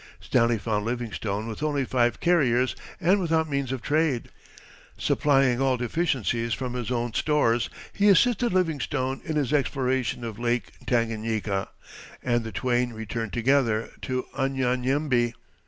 Stanley found Livingstone with only five carriers and without means of trade. Supplying all deficiencies from his own stores, he assisted Livingstone in his exploration of Lake Tanganyika, and the twain returned together to Unyanyembe.